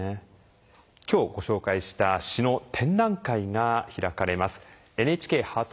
今日ご紹介した詩の展覧会が開かれます。